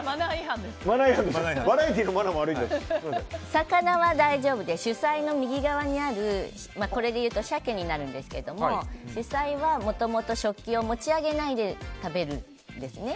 魚は大丈夫で主菜の右側にあるこれだと鮭になるんですけど主菜はもともと食器を持ち上げないで食べるんですね。